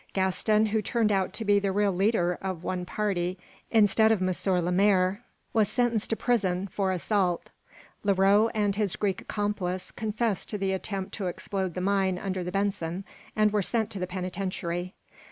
Gaston, who turned out to be the real leader of one party, instead of M. Lemaire, was sentenced to prison for assault. Leroux and his Greek accomplice confessed to the attempt to explode the mine under the "Benson," and were sent to the penitentiary.